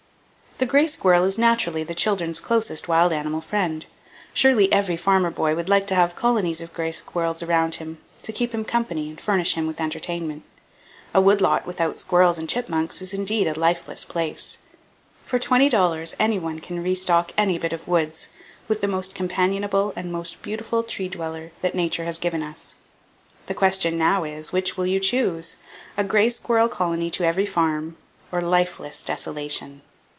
The gray squirrel is naturally the children's closest wild animal friend. Surely every farmer boy would like to have colonies of gray squirrels around him, to keep him company, and furnish him with entertainment. A wood lot without squirrels and chipmunks is indeed a lifeless place. For $20 anyone can restock any bit of woods with the most companionable and most beautiful tree dweller that nature has given us. The question now is, which will you choose—a gray squirrel colony to every farm, or lifeless desolation?